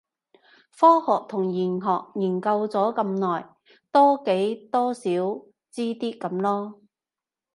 科學同玄學研究咗咁耐，多幾多少知啲咁啦